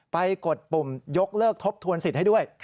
กดปุ่มยกเลิกทบทวนสิทธิ์ให้ด้วย